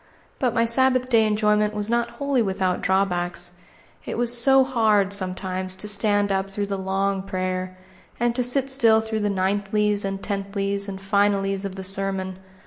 But my Sabbath day enjoyment was not wholly without drawbacks. It was so hard, sometimes, to stand up through the "long prayer," and to sit still through the "ninthlies," and "tenthlies," and "finallys" of the sermon!